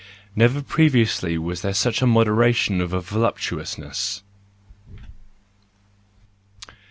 Never previously was there such a moderation of voluptuousness.